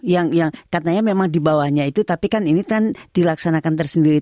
yang katanya memang di bawahnya itu tapi kan ini kan dilaksanakan tersendiri